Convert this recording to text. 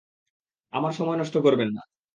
আমার সময় নষ্ট করবেন না।